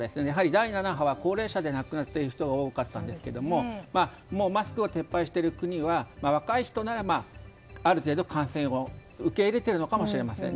第７波は高齢者で亡くなっている人が多かったんですけどもうマスクを撤廃している国は若い人ならある程度感染を受け入れているのかもしれません。